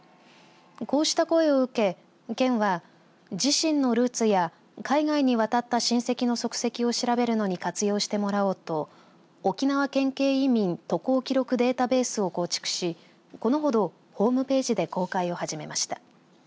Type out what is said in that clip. こうした声を受けて県は、自身のルーツや海外に渡った親戚の足跡を調べるのに活用してもらおうと沖縄県系移民渡航記録データベースを構築しこのほどホームページで公開を始めました。